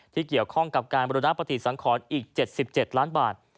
ที่เกี่ยวข้องกับการบรรณปฏิสังขรอีก๗๗ล้านบาท